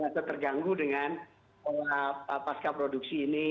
atau terganggu dengan pasca produksi ini